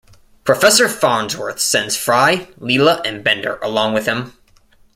Professor Farnsworth sends Fry, Leela, and Bender along with him.